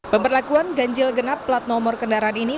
pemberlakuan ganjil genap plat nomor kendaraan ini